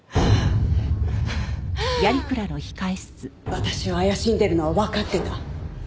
私を怪しんでるのはわかってた。